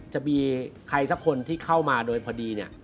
จะมีใครศักดิ์คนที่เข้ามาโดยพอดี